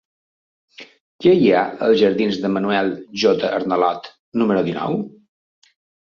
Què hi ha als jardins de Manuel J. Arnalot número dinou?